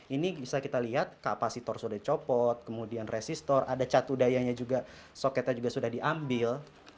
ini bisa kita lihat kapasitor sudah dicopot kemudian resistor ada catu dayanya juga soketnya juga sudah diambil